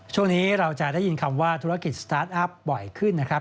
ช่วงนี้เราจะได้ยินคำว่าธุรกิจสตาร์ทอัพบ่อยขึ้นนะครับ